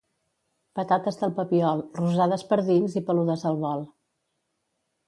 Patates del Papiol: rosades de dins i peludes al volt.